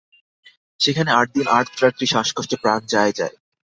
সেখানে আট দিন আট রাত্রি শ্বাসকষ্টে প্রাণ যায় যায়।